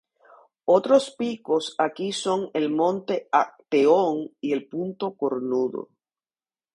Otros picos aquí son el monte Acteón y el Punto Cornudo.